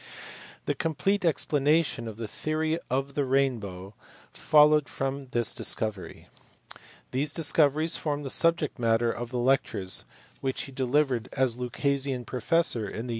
The complete explanation of the theory of the rainbow followed from this discovery. These discoveries formed the subject matter of the lectures which he delivered NEWTON S GEOMETRICAL OPTICS, lt)72.